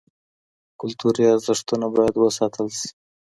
کلتوري ارزښتونه بايد وساتل سي.